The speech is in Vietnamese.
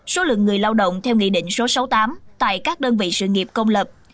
số lượng người lao động theo nghị định số sáu mươi tám tại các đơn vị sự nghiệp công lập